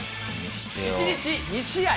１日２試合。